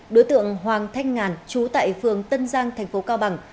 đối tượng hoàng thanh ngàn trú tại phường tân giang thành phố cao bằng